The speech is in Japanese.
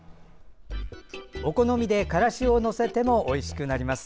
お好みでからしを載せてもおいしいです。